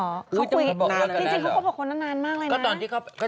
จริงเขาก็บอกคนนั้นนานมากเลยนะ